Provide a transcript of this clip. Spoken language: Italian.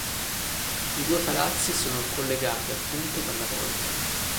I due palazzi sono collegati appunto dalla volta.